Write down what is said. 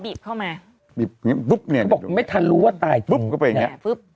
บีบอย่างงี้ปุ๊บเนี่ยเขาบอกไม่ทันรู้ว่าตายจริงปุ๊บก็เป็นอย่างงี้